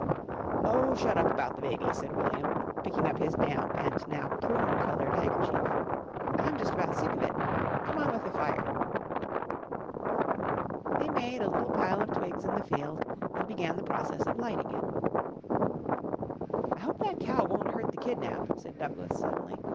"Oh, shut up about the baby," said William picking up his damp and now prune coloured handkerchief. "I'm just about sick of it. Come on with the fire." They made a little pile of twigs in the field and began the process of lighting it. "I hope that cow won't hurt the 'kidnap,'" said Douglas suddenly.